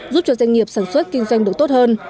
giúp cho doanh nghiệp sản xuất kinh doanh được tốt hơn